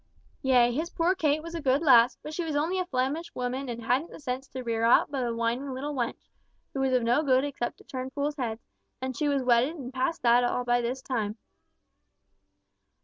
Yea, his poor Kate was a good lass, but she was only a Flemish woman and hadn't the sense to rear aught but a whining little wench, who was of no good except to turn fools' heads, and she was wedded and past all that by this time.